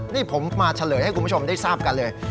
นี่ผมมาเฉลยให้คุณผู้ชมได้ทราบกันเลย